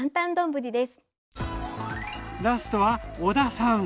ラストは小田さん。